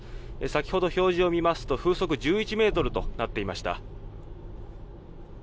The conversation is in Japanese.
先ほど、表示を見ますと風速１１メートルとなっていました。